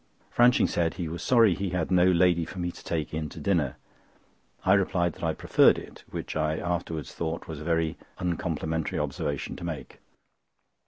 Franching said he was sorry he had no lady for me to take in to dinner. I replied that I preferred it, which I afterwards thought was a very uncomplimentary observation to make.